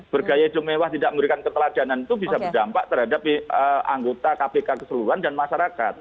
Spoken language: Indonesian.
bergaya jumewah tidak memberikan keteladanan itu bisa berdampak terhadap anggota kpk keseluruhan dan masyarakat